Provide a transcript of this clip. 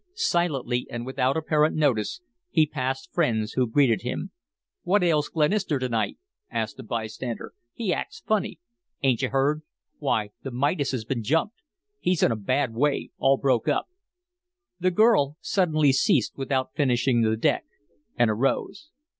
Silently and without apparent notice he passed friends who greeted him. "What ails Glenister to night?" asked a by stander. "He acts funny," "Ain't you heard? Why, the Midas has been jumped. He's in a bad way all broke up." The girl suddenly ceased without finishing the deck, and arose.